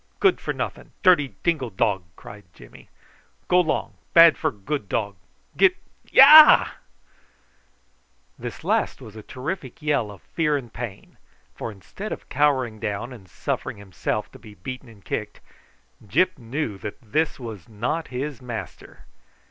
Good for nothing, dirty dingo dog," cried Jimmy. "Go long, bad for good dog. Get yah!" This last was a terrific yell of fear and pain, for instead of cowering down and suffering himself to be beaten and kicked, Gyp knew that this was not his master.